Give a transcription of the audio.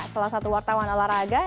salah satu wartawan olahraga